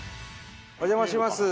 お邪魔します。